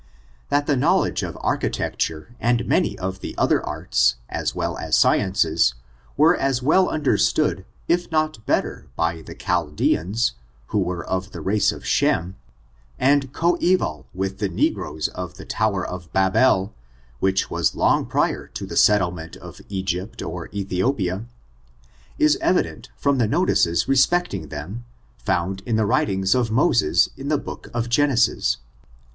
That the knowledge of architecture, and many of the other arts, as well as sciences, were as well un derstood, if not better, by the Chaldeans^ who were of the race of Shem, and coeval with the negroes of the tower of Babel, which was long prior to the set tlements of Egypt or Ethiopia, is evident from the notices respecting them, found in the writings of Mo ses in the book of Genesis.